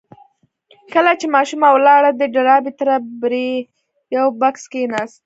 کله چې ماشومه ولاړه د ډاربي تره پر يوه بکس کېناست.